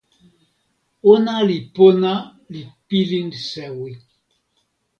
ona li pona li pilin sewi.